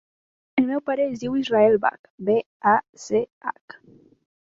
El meu pare es diu Israel Bach: be, a, ce, hac.